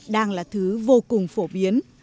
đang là thứ vô cùng phổ biến